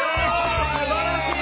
すばらしい！